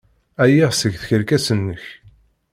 Ɛyiɣ seg tkerkas-nnek!